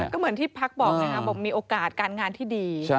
ก็เหมือนที่พลักษมณ์บอกมีโอกาสการงานที่ดี